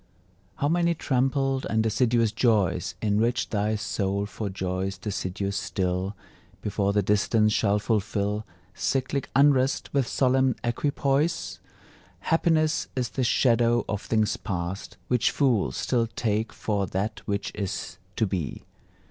How many trampled and deciduous joys Enrich thy soul for joys deciduous still, Before the distance shall fulfil Cyclic unrest with solemn equipoise! Happiness is the shadow of things past, Which fools still take for that which is to be!